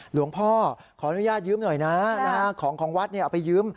หลวงพ่อขออนุญาตยืมหน่อยนะของของวัดเอาไปยืม